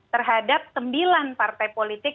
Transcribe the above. terhadap sembilan partai politik